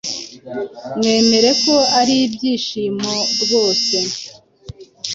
mwemere ko ari iby’ibyishimo rwose